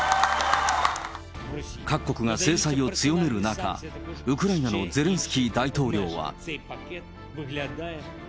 各国が制裁を強める中、ウクライナのゼレンスキー大統領は。